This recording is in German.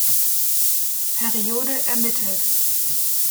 Periode ermittelt.